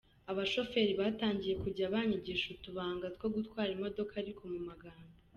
Abashoferi batangiye kujya banyigisha utubanga two gutwara imodoka ariko mu magambo.